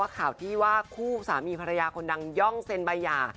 ข่าวที่ว่าคู่สามีภรรยาคนดังย่องเซ็นใบหย่า